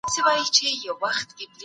یوه خوږه او رنګینه کیسه.